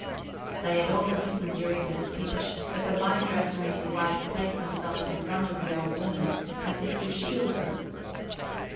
They had all risen during this speech; but the vine dresser and his wife placed themselves in front of the old woman, as if to shield her.